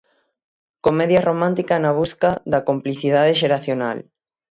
Comedia romántica na busca da complicidade xeracional.